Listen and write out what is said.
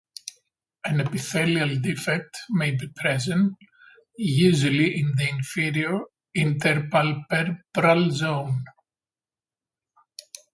An epithelial defect may be present, usually in the inferior interpalpebral zone.